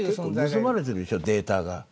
盗まれてるんでしょデータが。